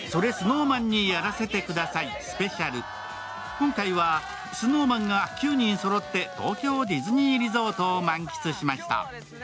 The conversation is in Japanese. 今回はＳｎｏｗＭａｎが９人そろって東京ディズニーリゾートを満喫しました。